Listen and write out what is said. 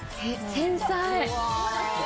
繊細。